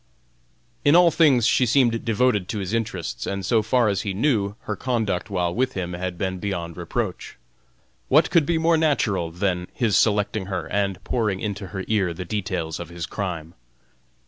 In all things she seemed devoted to his interests, and so far as he knew, her conduct while with him had been beyond reproach. What could be more natural than his selecting her and pouring into her ear the details of his crime?